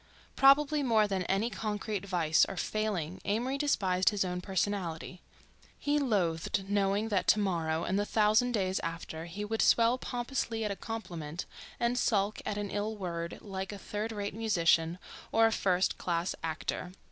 Probably more than any concrete vice or failing Amory despised his own personality—he loathed knowing that to morrow and the thousand days after he would swell pompously at a compliment and sulk at an ill word like a third rate musician or a first class actor.